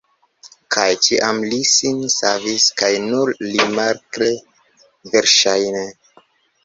Kaj ĉiam li sin savis kaj nur mirakle, verŝajne.